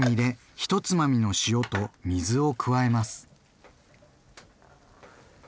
１つまみの塩と水を加えます。